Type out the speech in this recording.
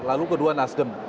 lalu kedua nasdem